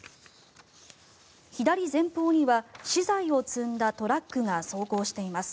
左前方には資材を積んだトラックが走行しています。